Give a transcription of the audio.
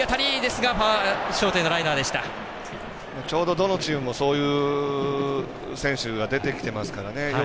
ちょうど、どのチームもそういう選手が出てきてますから。